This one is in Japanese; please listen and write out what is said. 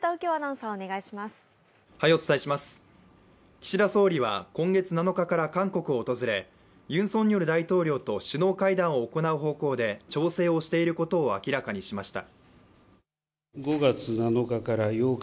岸田総理は今月７日から韓国を訪れユン・ソンニョル大統領と首脳会談を行う方向で調整をしていることを明らかにしました。